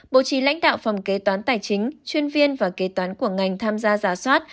bộ trí lãnh đạo phòng kế toán tài chính chuyên viên và kế toán của ngành tham gia giả soát